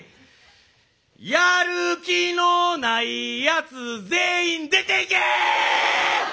やる気のないやつ全員出ていけ！